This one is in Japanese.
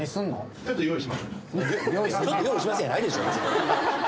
ちょっと用意します。